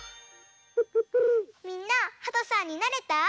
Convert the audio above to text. みんなはとさんになれた？